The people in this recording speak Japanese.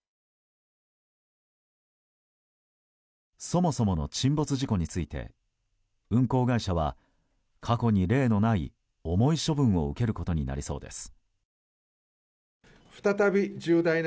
そもそもの沈没事故について運航会社は過去に例のない重い処分を受けることになりそうです。